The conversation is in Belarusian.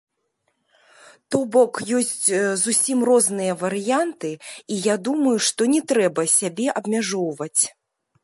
То бок ёсць зусім розныя варыянты, і я думаю, што не трэба сябе абмяжоўваць.